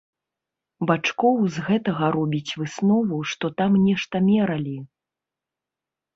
Бачкоў з гэтага робіць выснову, што там нешта мералі.